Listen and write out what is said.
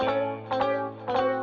untung ada ini